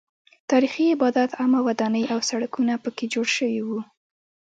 تاریخي ابدات عامه ودانۍ او سړکونه پکې جوړ شوي وو.